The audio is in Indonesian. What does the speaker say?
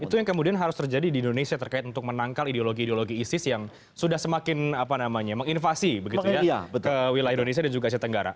itu yang kemudian harus terjadi di indonesia terkait untuk menangkal ideologi ideologi isis yang sudah semakin menginvasi ke wilayah indonesia dan juga asia tenggara